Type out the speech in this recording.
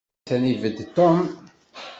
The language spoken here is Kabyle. Atan ibedd Tom.